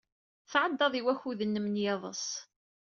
Tɛeddad i wakud-nnem n yiḍes.